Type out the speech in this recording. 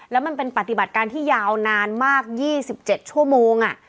แล้วมันเป็นปฏิบัติการที่ยาวนานมาก๒๗ชั่วโมง